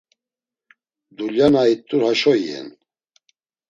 Dulya na it̆ur haşo iyen.